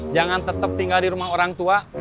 jangan tetap tinggal di rumah orang tua